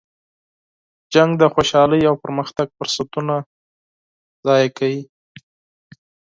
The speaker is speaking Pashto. جنګ د خوشحالۍ او پرمختګ فرصتونه ضایع کوي.